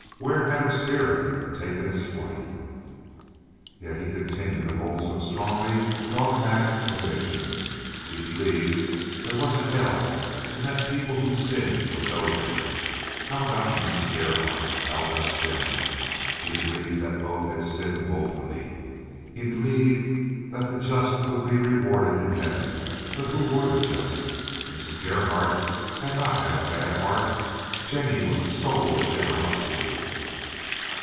Where had her spirit taken its flight? Yet he continued to hold some strongly dogmatic convictions. He believed there was a hell, and that people who sinned would go there. How about Mrs. Gerhardt? How about Jennie? He believed that both had sinned woefully. He believed that the just would be rewarded in heaven. But who were the just? Mrs. Gerhardt had not had a bad heart. Jennie was the soul of generosity.